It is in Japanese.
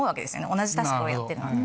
同じタスクをやってるので。